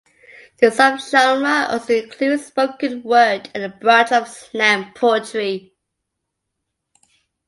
This subgenre also includes spoken word and a branch of slam poetry.